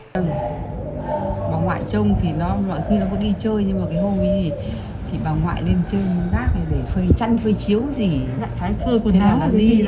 bà ngoại trông thì nó loại khi nó có đi chơi nhưng mà cái hôm ấy thì bà ngoại lên chơi muốn rác để phơi chăn phơi chiếu gì